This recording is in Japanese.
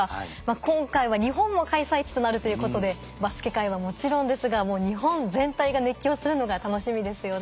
今回は日本も開催地となるということでバスケ界はもちろんですが日本全体が熱狂するのが楽しみですよね。